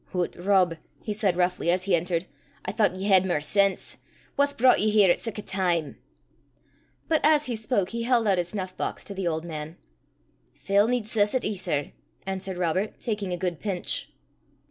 "Hoots, Rob!" he said roughly as he entered, "I thoucht ye had mair sense! What's broucht ye here at sic a time?" But as he spoke he held out his snuff box to the old man. "Fell needcessity, sir," answered Robert, taking a good pinch.